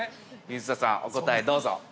◆水田さん、お答えどうぞ。